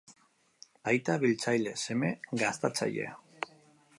Aita biltzaile, seme gastatzaile.